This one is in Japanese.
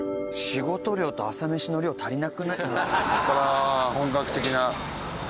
仕事量と朝メシの量足りなくない？